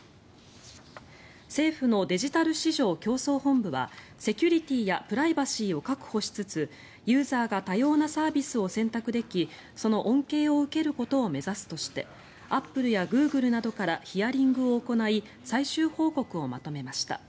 政府のデジタル市場競争本部はセキュリティーやプライバシーを確保しつつユーザーが多様なサービスを選択できその恩恵を受けることを目指すとしてアップルやグーグルなどからヒアリングを行い最終報告をまとめました。